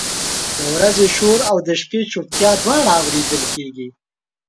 د ورځې شور او د شپې چپتیا دواړه اورېدل کېږي.